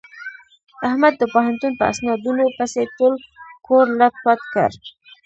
احمد د پوهنتون په اسنادونو پسې ټول کور لت پت کړ.